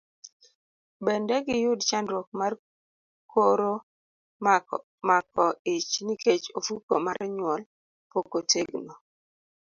Bende giyud chandruok mar koro mako ich nikech ofuko mar nyuol pok otegno.